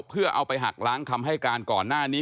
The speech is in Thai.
เพื่อเอาไปหักล้างคำให้การก่อนหน้านี้